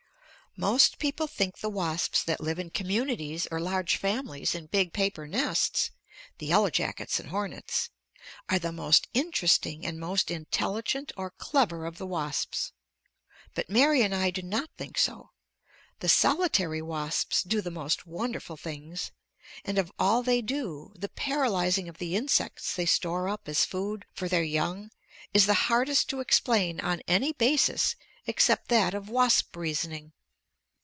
Most people think the wasps that live in communities or large families in big paper nests (the yellow jackets and hornets) are the most interesting and most intelligent or clever of the wasps. But Mary and I do not think so. The solitary wasps do the most wonderful things, and of all they do, the paralyzing of the insects they store up as food for their young is the hardest to explain on any basis except that of wasp reasoning.